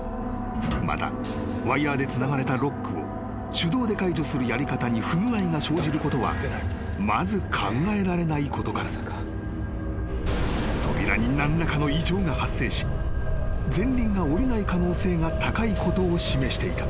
［またワイヤでつながれたロックを手動で解除するやり方に不具合が生じることはまず考えられないことから扉に何らかの異常が発生し前輪が下りない可能性が高いことを示していた］